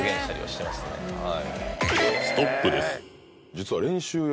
実は。